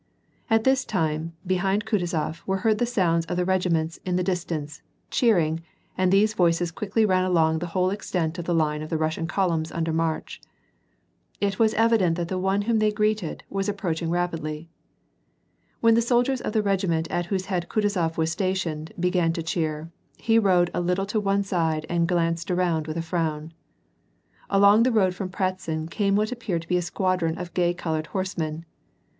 At this time, behind Kutuzof, were heard the sounds of the regiments in the distance, cheering, and these voices quickly ran along the whole extent of the line of the Kussian columns under march. It was evident that the one whom they were greeting, was approaching rapidly. When the soldiers of the regiment at whose head Kutuzof was stationed, began to cheer, he rode a little to one side and glanced around with a frown. Along the road from Pratzen came what appeared to be a squadron of gay colored horsemen.